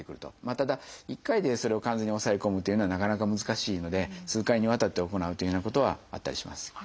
ただ一回でそれを完全に抑え込むというのはなかなか難しいので数回にわたって行うというようなことはあったりします。